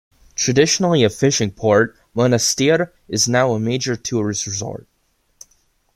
Traditionally a fishing port, Monastir is now a major tourist resort.